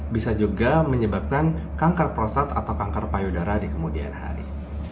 bisa juga menyebabkan kanker prostat atau kanker payudara di kemudian hari